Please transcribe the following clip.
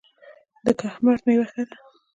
د کهمرد میوه ښه ده